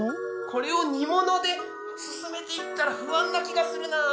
これを煮物で進めていったら不安な気がするな。